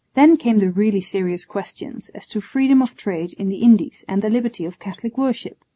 Then came the really serious questions as to freedom of trade in the Indies and the liberty of Catholic worship.